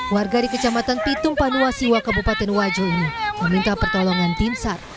warga di kecamatan pitung panuasiwa kabupaten wajo ini meminta pertolongan timsar